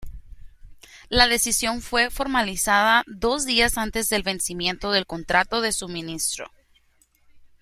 La decisión fue formalizada dos días antes del vencimiento del contrato de suministro.